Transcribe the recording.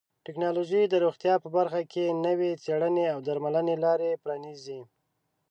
ټکنالوژي د روغتیا په برخه کې نوې څیړنې او درملنې لارې پرانیزي.